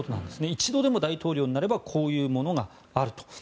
１度でも大統領になればこういうものがあると。